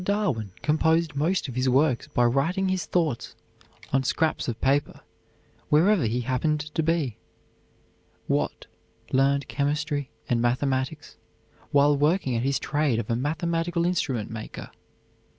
Darwin composed most of his works by writing his thoughts on scraps of paper wherever he happened to be. Watt learned chemistry and mathematics while working at his trade of a mathematical instrument maker.